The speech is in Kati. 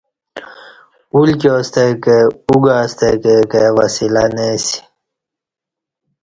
اُلکِیاستہ کہ او گاستہ کہ کائ وسیلہ نہ اسی